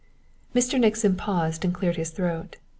Mr. Nixon paused, and cleared his throat.